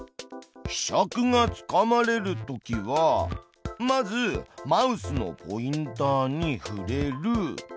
ひしゃくがつかまれるときはまずマウスのポインターに触れる。